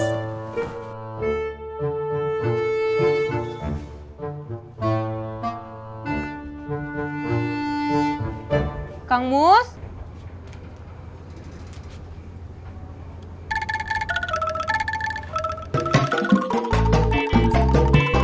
terima kasih mbakaster savyasi